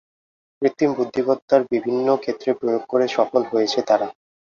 কৃত্রিম বুদ্ধিমত্তার বিভিন্ন ক্ষেত্রে প্রয়োগ করে সফল হয়েছে তারা।